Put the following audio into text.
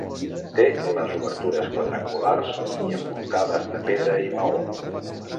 Té les obertures quadrangulars i envoltades de pedra i maó.